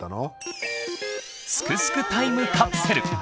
すくすくタイムカプセル！